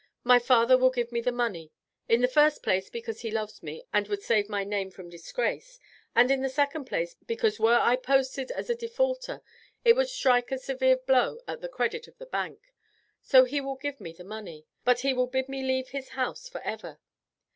My father will give me the money, in the first place because he loves me and would save my name from disgrace, and in the second because were I posted as a defaulter it would strike a severe blow at the credit of the bank. So he will give me the money, but he will bid me leave his house forever.